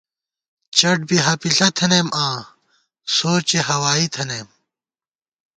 چٹ بی ہَپِݪہ تھنَئیم آں سوچےہوائی تھنَئیم